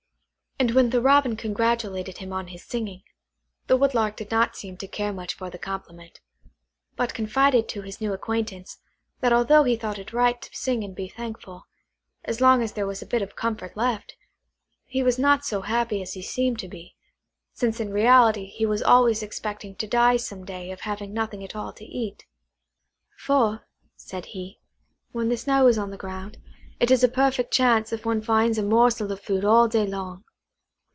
And when the Robin congratulated him on his singing, the Woodlark did not seem to care much for the compliment, but confided to his new acquaintance, that although he thought it right to sing and be thankful, as long as there was a bit of comfort left, he was not so happy as he seemed to be, since in reality he was always expecting to die some day of having nothing at all to eat. "For," said he, "when the snow is on the ground, it is a perfect chance if one finds a morsel of food all day long."